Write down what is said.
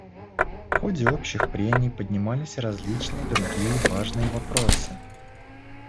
В ходе общих прений поднимались и различные другие важные вопросы.